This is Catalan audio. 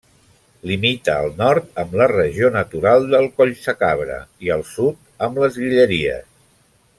Limita al nord amb la regió natural del Collsacabra i al sud amb Les Guilleries.